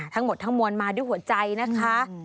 ทั้งหมดทั้งมวลมาด้วยหัวใจนะคะ